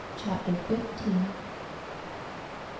CHAPTER FIFTEENTH.